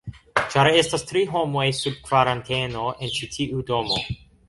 ĉar estas tri homoj sub kvaranteno en ĉi tiu domo